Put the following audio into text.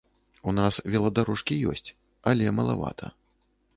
У нас веладарожкі ёсць, але малавата.